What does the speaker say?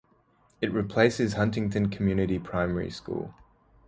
It replaces Huntington Community Primary School.